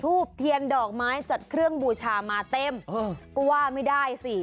เทียนดอกไม้จัดเครื่องบูชามาเต็มก็ว่าไม่ได้สิ